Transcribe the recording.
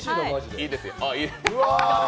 いいですよ。